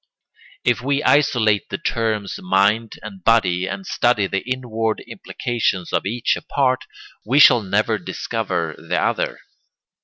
If we isolate the terms mind and body and study the inward implications of each apart, we shall never discover the other.